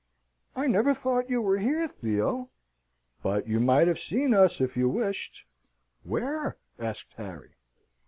"I never thought you were here, Theo." "But you might have seen us if you wished." "Where?" asked Harry.